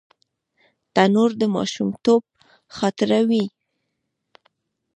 تنور د ماشومتوب خاطره وي